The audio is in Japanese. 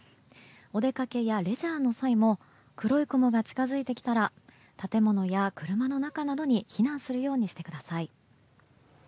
お出かけやレジャーの際も黒い雲が近づいてきたら建物や車の中などに避難するようにしてください。